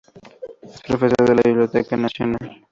Es Profesor de la Biblioteca Nacional.